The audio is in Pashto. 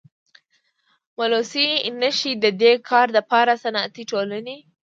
ملوثي نشي ددي کار دپاره صنعتي ټولني.